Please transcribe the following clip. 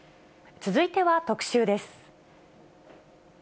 続いては特集です。